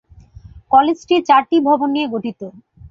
কলেজটি চারটি ভবন নিয়ে গঠিত।